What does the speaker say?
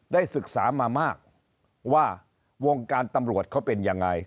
ได้ศึกษามามากว่าวงการตำรวจเขาเป็นยังไง